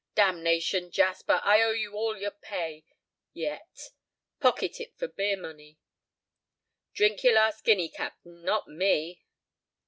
"Damnation, Jasper, I owe you all your pay—yet. Pocket it for beer money." "Drink your last guinea, capt'n, not me!"